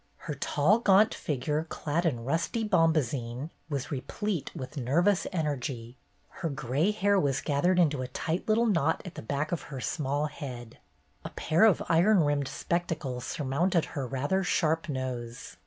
Her tall, gaunt figure, clad in rusty bomba zine, was replete with nervous energy; her gray hair was gathered into a tight little knot at the back of her small head ; a pair of iron rimmed spectacles surmounted her rather sharp nose.